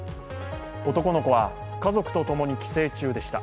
男の子は家族とともに帰省中でした。